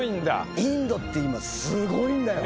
インドって今、すごいんだよ。